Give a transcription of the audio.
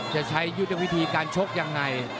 จะใช้ยุทธวิธีการชกยังไง